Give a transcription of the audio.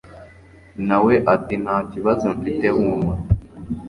nawe ati ntakibazo mfite humura